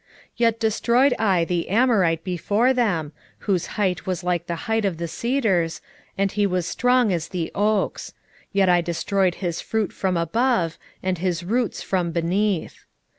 2:9 Yet destroyed I the Amorite before them, whose height was like the height of the cedars, and he was strong as the oaks; yet I destroyed his fruit from above, and his roots from beneath.